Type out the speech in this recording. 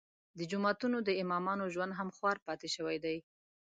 د جوماتونو د امامانو ژوند هم خوار پاتې شوی دی.